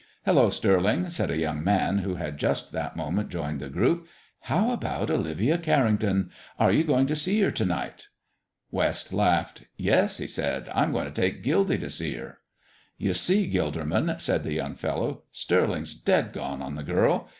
"Hullo, Stirling," said a young man who had just that moment joined the group. "How about Olivia Carrington? Are you going to see her to night?" West laughed. "Yes," he said, "I'm going to take Gildy to see her." "You see, Gilderman," said the young fellow, "Stirling's dead gone on the girl.